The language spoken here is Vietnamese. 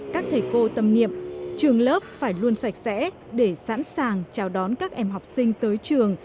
các thầy cô tâm niệm trường lớp phải luôn sạch sẽ để sẵn sàng chào đón các em học sinh tới trường